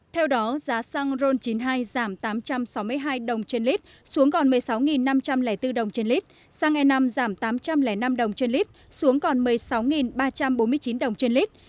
theo đó giá xăng ron chín mươi hai giảm tám trăm sáu mươi hai đồng trên lít xuống còn một mươi sáu năm trăm linh bốn đồng trên lít xăng e năm giảm tám trăm linh năm đồng trên lít xuống còn một mươi sáu ba trăm bốn mươi chín đồng trên lít